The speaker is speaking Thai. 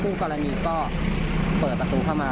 กรณีก็เปิดประตูเข้ามา